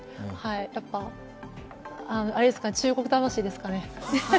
やっぱ、中国魂ですかね。